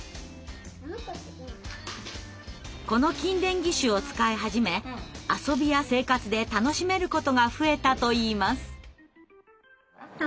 この筋電義手を使い始め遊びや生活で楽しめることが増えたといいます。